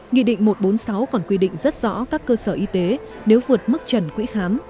nghị định một trăm bốn mươi sáu còn quy định rất rõ các cơ sở y tế nếu vượt mức trần quỹ khám